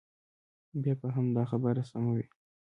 بیا به هم دا خبره سمه وي.